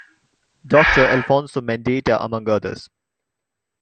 Doctor Alfonso Mendieta, among others.